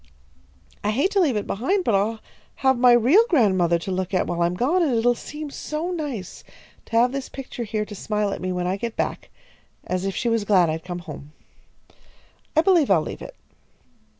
"I hate to leave it behind, but I'll have my real godmother to look at while I'm gone, and it'll seem so nice to have this picture here to smile at me when I get back, as if she was glad I'd come home. I believe I'll leave it."